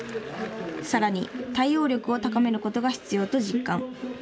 さらに対応力を高めることを必要と実感。